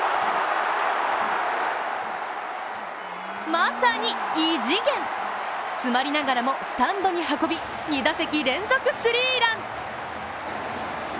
まさに異次元！詰まりながらも、スタンドに運び２打席連続スリーラン。